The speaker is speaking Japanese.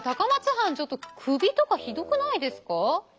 藩ちょっとクビとかひどくないですか。